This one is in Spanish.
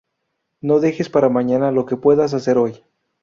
No dejes para mañana lo que puedas hacer hoy